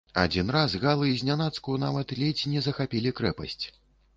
Адзін раз галы знянацку нават ледзь не захапілі крэпасць.